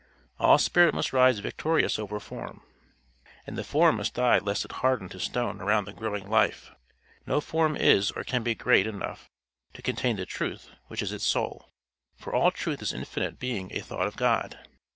All spirit must rise victorious over form; and the form must die lest it harden to stone around the growing life. No form is or can be great enough to contain the truth which is its soul; for all truth is infinite being a thought of God.